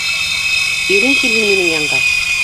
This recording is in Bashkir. Ирең килһен минең янға!